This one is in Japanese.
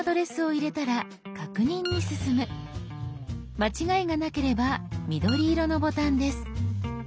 間違いがなければ緑色のボタンです。